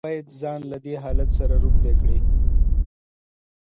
ته بايد ځان له دې حالت سره روږدى کړې.